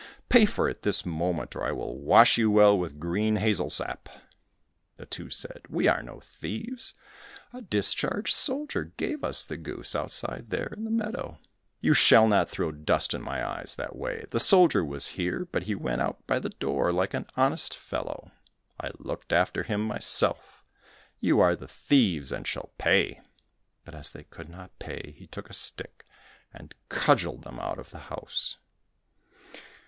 Pay for it this moment; or I will wash you well with green hazel sap." The two said, "We are no thieves, a discharged soldier gave us the goose, outside there in the meadow." "You shall not throw dust in my eyes that way! the soldier was here but he went out by the door, like an honest fellow. I looked after him myself; you are the thieves and shall pay!" But as they could not pay, he took a stick, and cudgeled them out of the house.